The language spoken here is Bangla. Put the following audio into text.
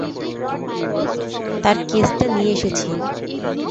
তার কেসটা নিয়ে এসেছি।